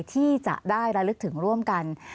ที่จะได้ระลึกถึงร่วมกัน